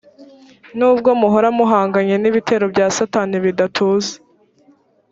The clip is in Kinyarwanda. nubwo muhora muhanganye n ibitero bya satani bidatuza